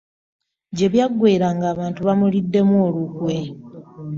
Gye byaggweera ng'abantu bamuliddemu olukwe.